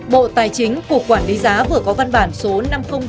bộ tài chính cục quản lý giá vừa có văn bản số năm nghìn hai mươi chín